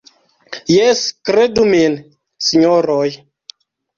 Jes, kredu min, sinjoroj.